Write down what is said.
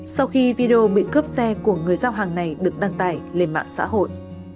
sau khi video bị cướp xe của người giao hàng này được đăng tải lên mạng xã hội